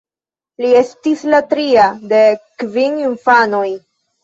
Li estis la tria de kvin infanoj.